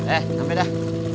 eh sampai dah